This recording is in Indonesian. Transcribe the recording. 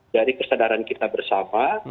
dari kesadaran kita bersama